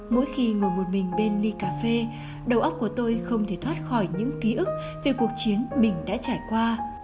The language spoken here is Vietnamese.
mỗi khi ngồi một mình bên ly cà phê đầu óc của tôi không thể thoát khỏi những ký ức về cuộc chiến mình đã trải qua